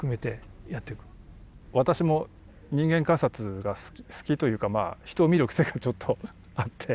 私も人間観察が好きというか人を見る癖がちょっとあって。